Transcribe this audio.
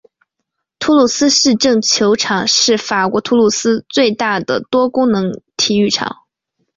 土鲁斯市政球场是法国土鲁斯最大的多功能体育场。